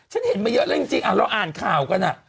ฉันเห็นมาเยอะแล้วจริงเราอ่านข่าวกัน